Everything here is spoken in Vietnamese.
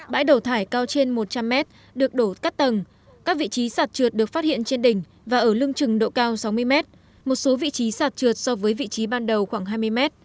bãi đổ thải cao trên một trăm linh mét được đổ cắt tầng các vị trí sạt trượt được phát hiện trên đỉnh và ở lưng trừng độ cao sáu mươi m một số vị trí sạt trượt so với vị trí ban đầu khoảng hai mươi m